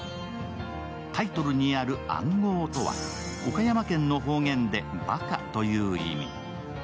タイトルにある「あんごう」とは岡山県の方言で「ばか」という意味。